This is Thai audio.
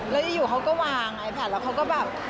แล้วอยู่เขาก็วางไอ้แผ่นแล้วเขาก็แบบ